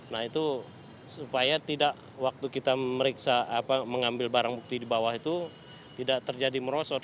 nah itu supaya tidak waktu kita mengambil barang bukti di bawah itu tidak terjadi merosot